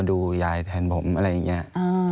อันดับ๖๓๕จัดใช้วิจิตร